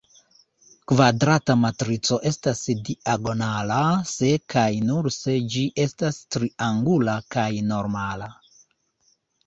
Kvadrata matrico estas diagonala se kaj nur se ĝi estas triangula kaj normala.